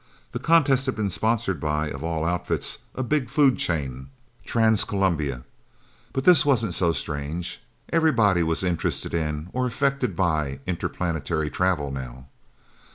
The contest had been sponsored by of all outfits a big food chain, Trans Columbia. But this wasn't so strange. Everybody was interested in, or affected by, interplanetary travel, now.